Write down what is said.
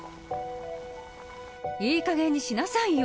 いいかげんにしなさいよ。